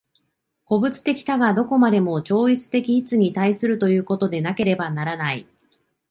個物的多が何処までも超越的一に対するということでなければならない。